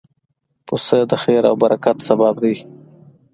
پسه د خیر او برکت سبب دی.